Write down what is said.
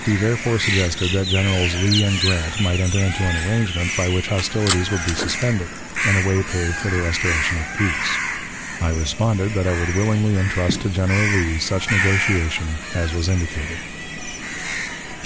He, therefore, suggested that Generals Lee and Grant might enter into an arrangement by which hostilities would be suspended, and a way paved for the restoration of peace. I responded that I would willingly intrust to General Lee such negotiation as was indicated.